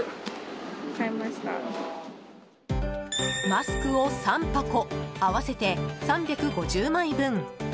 マスクを３箱合わせて３５０枚分。